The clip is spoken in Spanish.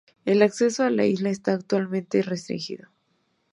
El acceso a la isla está actualmente restringido.